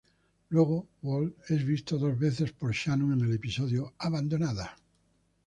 Luego, Walt es visto dos veces por Shannon en el episodio "Abandonada".